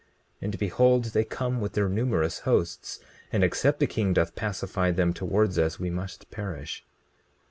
20:20 And behold, they come with their numerous hosts; and except the king doth pacify them towards us we must perish.